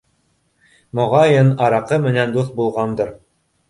Моғайын, араҡы менән дуҫ булғандыр.